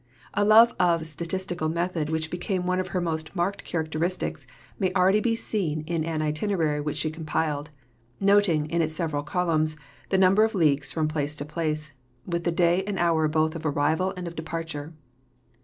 A love of statistical method which became one of her most marked characteristics may already be seen in an itinerary which she compiled; noting, in its several columns, the number of leagues from place to place, with the day and the hour both of arrival and of departure.